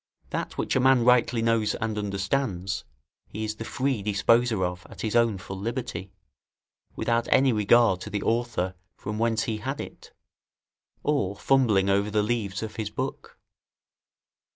That which a man rightly knows and understands, he is the free disposer of at his own full liberty, without any regard to the author from whence he had it, or fumbling over the leaves of his book.